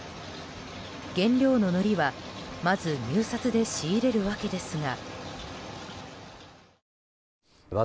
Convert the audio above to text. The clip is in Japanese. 原料ののりはまず入札で仕入れるわけですが。